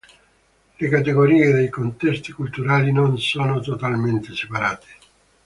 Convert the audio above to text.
Le categorie dei contesti culturali non sono totalmente separate.